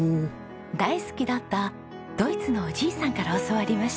大好きだったドイツのおじいさんから教わりました。